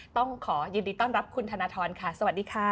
ต้องขอยินดีต้อนรับคุณธนทรค่ะสวัสดีค่ะ